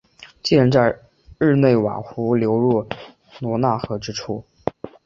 建在日内瓦湖流入罗讷河之处。